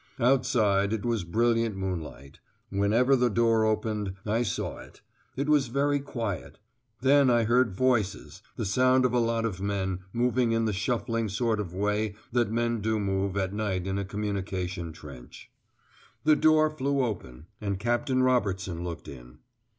Outside, it was brilliant moonlight: whenever the door opened, I saw it. It was very quiet. Then I heard voices, the sound of a lot of men, moving in the shuffling sort of way that men do move at night in a communication trench. The door flew open, and Captain Robertson looked in.